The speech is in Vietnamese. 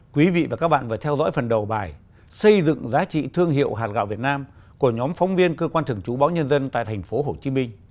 quý vị và các bạn vừa theo dõi phần đầu bài xây dựng giá trị thương hiệu hạt gạo việt nam của nhóm phóng viên cơ quan thường trú báo nhân dân tại tp hcm